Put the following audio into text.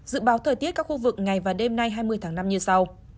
dự báo thời tiết các khu vực ngày và đêm nay hai mươi tháng năm như sau